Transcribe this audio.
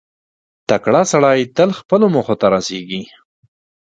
• تکړه سړی تل خپلو موخو ته رسېږي.